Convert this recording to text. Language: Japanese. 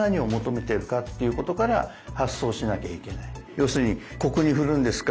要するにコクに振るんですか？